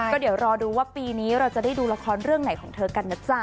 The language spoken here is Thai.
ก็เดี๋ยวรอดูว่าปีนี้เราจะได้ดูละครเรื่องไหนของเธอกันนะจ๊ะ